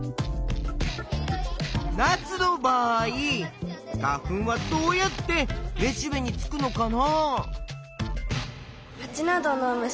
ナスの場合花粉はどうやってめしべにつくのかな？